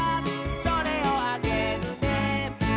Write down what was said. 「それをあげるね」